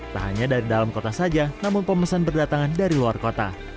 tak hanya dari dalam kota saja namun pemesan berdatangan dari luar kota